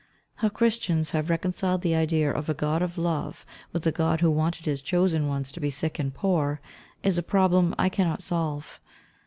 How Christians have reconciled the idea of a God of love with a God who wanted his chosen ones to be sick and poor, is a problem I cannot solve.